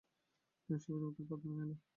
নিজাম সাহেবের বুকের পাথর নেমে গেল।